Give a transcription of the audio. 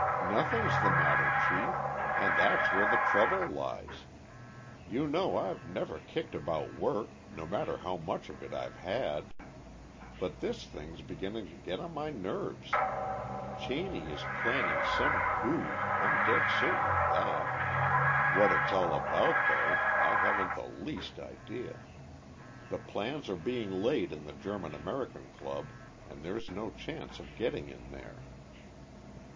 "Nothing's the matter, Chief and that's where the trouble lies. You know I've never kicked about work, no matter how much of it I've had. But this thing's beginning to get on my nerves. Cheney is planning some coup. I'm dead certain of that. What it's all about, though, I haven't the least idea. The plans are being laid in the German American Club and there's no chance of getting in there."